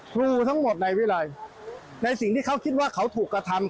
ครูทั้งหมดในวิรัยในสิ่งที่เขาคิดว่าเขาถูกกระทำ